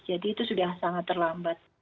jadi itu sudah sangat terlambat